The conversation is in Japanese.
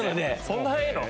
そんな早いの？